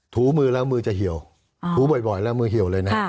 ถูมือแล้วมือจะเหี่ยวถูบ่อยแล้วมือเหี่ยวเลยนะ